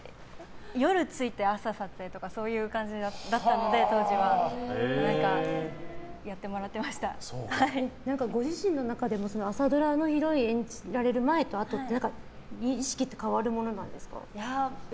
夜、着いて朝、撮影とか当時はそんな感じだったのでご自身の中でも朝ドラのヒロイン演じられる前と後って何か意識って変わるものなんですか？